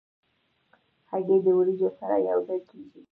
هګۍ د وریجو سره یو ځای کېږي.